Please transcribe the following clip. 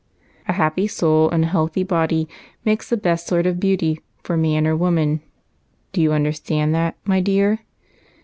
A happy soul in a healthy body makes the best sort of beauty for man or woman. Do you understand that, my dear?"